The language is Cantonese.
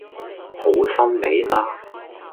好心你啦